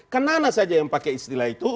kemana saja yang pakai istilah itu